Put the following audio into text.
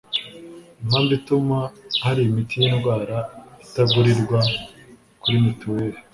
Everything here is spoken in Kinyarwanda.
Impamvu ituma hari imiti y'indwara itagurirwa kuri mituweli